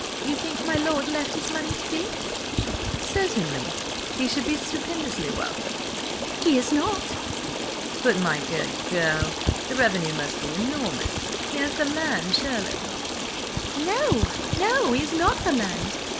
You think my lord left his money to Dick?" "Certainly. He should be stupendously wealthy." "He is not!" "But, my good girl, the revenue must be enormous. He has the land, surely?" "No! No! He has not the land!